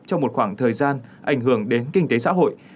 trong một khoảng thời gian ảnh hưởng đến kinh tế xã hội